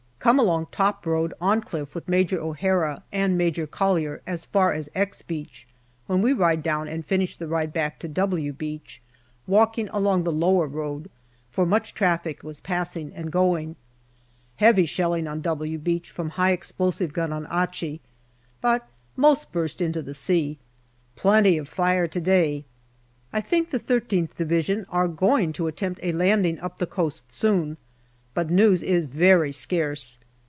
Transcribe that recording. Come along top road on cliff with Major O'Hara and Major Collier as far as " X " Beach, when we ride down and finish the ride back to " W " Beach walking along the lower road, far much traffic was passing and going. Heavy shelling on " W " Beach from high explosive gun on Achi, but most burst into the sea. Plenty of fire to day. I think the I3th Division are going to attempt a landing up the coast soon, but news is very scarce.